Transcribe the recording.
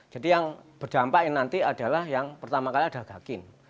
jadi yang berdampak ini nanti adalah yang pertama kali ada gakin